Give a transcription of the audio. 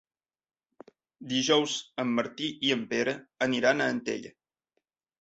Dijous en Martí i en Pere aniran a Antella.